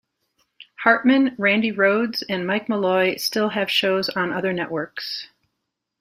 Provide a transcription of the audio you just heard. Hartmann, Randi Rhodes, and Mike Malloy still have shows on other networks.